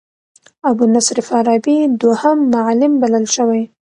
ابو نصر فارابي دوهم معلم بلل شوی.